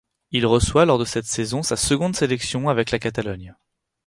Il reçoit lors de cette saison sa seconde sélection avec la Catalogne.